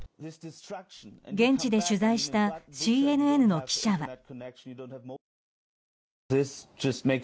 現地で取材したＣＮＮの記者は。